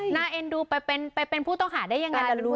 น่าเอ็นดูไปเป็นไปเป็นผู้ต้องหาได้ยังไงล่ะลูก